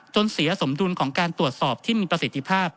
เสียสมดุลของการตรวจสอบที่มีประสิทธิภาพ